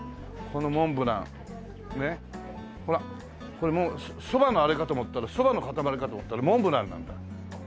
これそばのあれかと思ったらそばの塊かと思ったらモンブランなんだ。